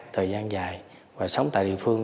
thời gian dài và sống tại địa phương